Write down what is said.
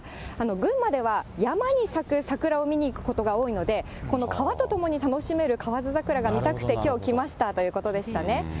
群馬では、山に咲く桜を見に行くことが多いので、この川とともに楽しめる河津桜が見たくて、きょう来ましたということでしたね。